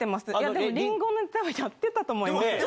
でもりんごのネタはやってたと思います。